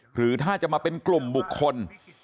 หรือถ้าจะมาเป็นกลุ่มบุคคล